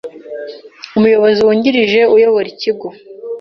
Umuyobozi wungirije uyobora ikigo